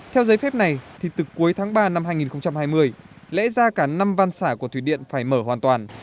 theo giấy phép này thì từ cuối tháng ba năm hai nghìn hai mươi lẽ ra cả năm văn xả của thủy điện phải mở hoàn toàn